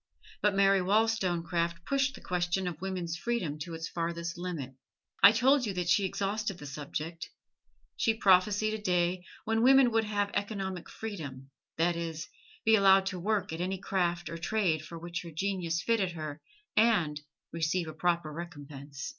But Mary Wollstonecraft pushed the question of woman's freedom to its farthest limit; I told you that she exhausted the subject. She prophesied a day when woman would have economic freedom that is, be allowed to work at any craft or trade for which her genius fitted her and receive a proper recompense.